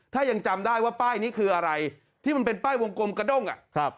ถ้ายังจำได้ว่าป้ายนี้คืออะไรที่มันเป็นป้ายวงกลมกระด้งอ่ะครับ